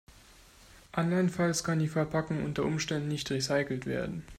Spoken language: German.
Andernfalls kann die Verpackung unter Umständen nicht recycelt werden.